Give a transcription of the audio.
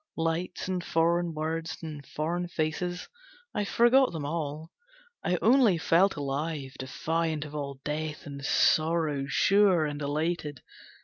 Lights and foreign words and foreign faces, I forgot them all; I only felt alive, defiant of all death and sorrow, Sure and elated.